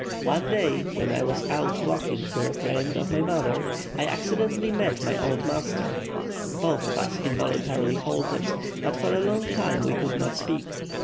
One day, when I was out walking with a friend of my mother, I accidentally met my old master; both of us involuntarily halted, but for a long time we could not speak.